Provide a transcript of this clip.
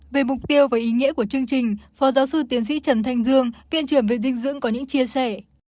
về mục tiêu và ý nghĩa của chương trình phó giáo sư tiến sĩ trần thanh dương viện trưởng viện dinh dưỡng có những chia sẻ